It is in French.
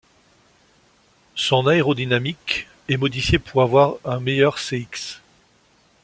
Son aérodynamique est modifiée pour avoir un meilleur Cx.